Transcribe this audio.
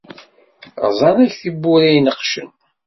Rẓan akk tiwwura ineqcen.